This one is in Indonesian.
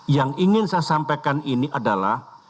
yang ingin saya sampaikan ini adalah